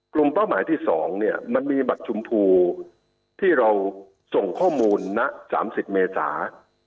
เป้าหมายที่๒เนี่ยมันมีบัตรชมพูที่เราส่งข้อมูลณ๓๐เมษา